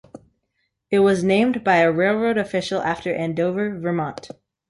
It was named by a railroad official after Andover, Vermont.